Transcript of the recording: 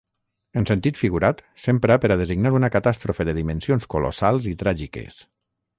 En sentit figurat, s'empra per a designar una catàstrofe de dimensions colossals i tràgiques.